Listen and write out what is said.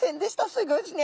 すごいですね。